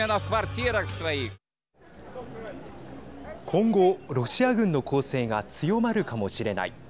今後、ロシア軍の攻勢が強まるかもしれない。